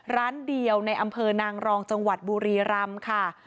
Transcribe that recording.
ร้านเดียวในอำเภอนางรองจังหวัดบุรีรำค่ะ